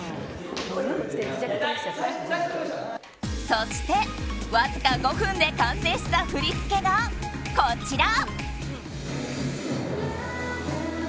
そして、わずか５分で完成した振り付けがこちら。